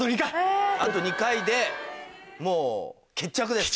あと２回でもう決着です。